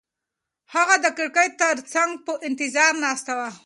هغه د کړکۍ تر څنګ په انتظار ناسته وه.